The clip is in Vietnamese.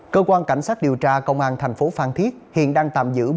cơ quan cảnh sát điều tra công an thành phố phan thiết hiện đang tạm giữ